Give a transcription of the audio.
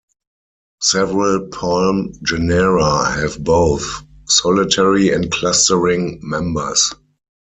Several palm genera have both solitary and clustering members.